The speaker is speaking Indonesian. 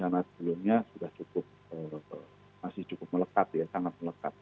karena sebelumnya sudah cukup masih cukup melekat ya sangat melekat